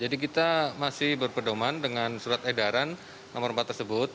jadi kita masih berpedoman dengan surat edaran nomor empat tersebut